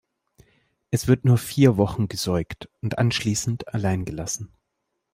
Es wird nur vier Wochen gesäugt und anschließend allein gelassen.